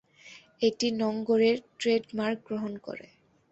এটি নোঙ্গরের ট্রেডমার্ক গ্রহণ করে।